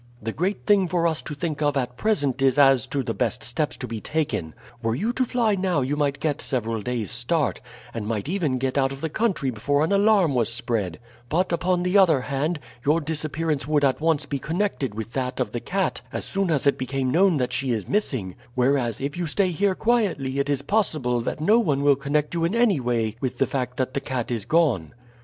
The great thing for us to think of at present is as to the best steps to be taken. Were you to fly now you might get several days' start, and might even get out of the country before an alarm was spread; but upon the other hand, your disappearance would at once be connected with that of the cat as soon as it became known that she is missing, whereas if you stay here quietly it is possible that no one will connect you in any way with the fact that the cat is gone.